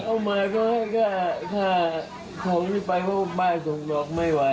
เอามาก็ขอให้ไปเพราะป้าส่งรอกไม่ไหว